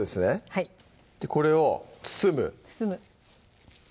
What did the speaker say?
はいこれを包む包む